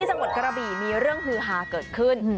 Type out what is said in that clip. ที่สังบทกรบีมีเรื่องฮือหาเกิดขึ้น